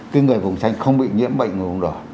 cái người vùng xanh không bị nhiễm bệnh người vùng đỏ